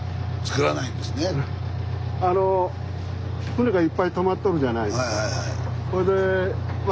船がいっぱいとまっとるじゃないですか。